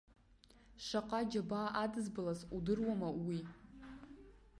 Шаҟа џьабаа адызбалаз удыруама уи.